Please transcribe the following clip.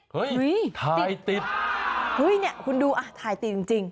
เฮ้ยถ่ายติดฮื้ยนี่คุณดูถ่ายติดจริง